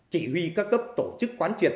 chỉ huy các cấp tổ chức quán triệt